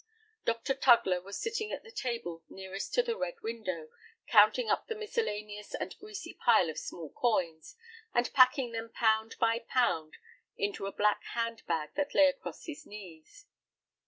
Dr. Tugler was sitting at the table nearest to the red window, counting up the miscellaneous and greasy pile of small coins, and packing them pound by pound into a black hand bag that lay across his knees.